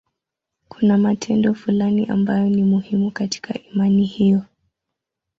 Kuna matendo fulani ambayo ni muhimu katika imani hiyo.